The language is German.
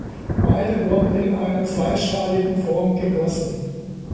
Beide wurden in einer zweischaligen Form gegossen.